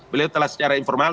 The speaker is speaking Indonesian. beliau telah secara informal